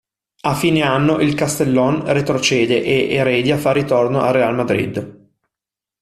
A fine anno il Castellón retrocede e Heredia fa ritorno al Real Madrid.